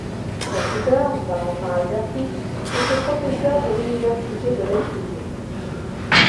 Son tuteur, Valentin Alberti, était professeur de l'université de Leipzig.